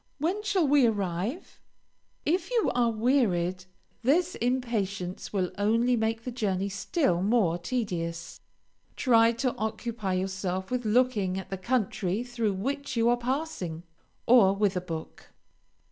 "When shall we arrive?" If you are wearied, this impatience will only make the journey still more tedious. Try to occupy yourself with looking at the country through which you are passing, or with a book.